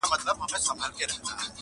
دوه قدمه فاصله ده ستا تر وصله،